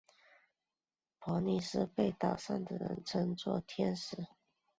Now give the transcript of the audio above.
帕妮丝被岛上的人们称作天使。